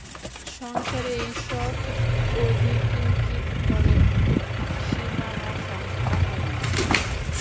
সংসারে এই সব অকিঞ্চিৎকরের সীমাসংখ্যা নেই।